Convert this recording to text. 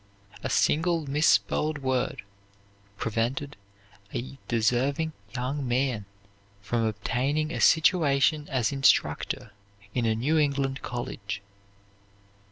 A single misspelled word prevented a deserving young man from obtaining a situation as instructor in a New England college.